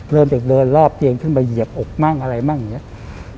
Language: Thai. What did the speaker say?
เริ่มจากเดินรอบเตียงขึ้นไปเหยียบอกมั่งอะไรมั่งอย่างนี้